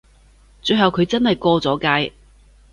最後佢真係過咗界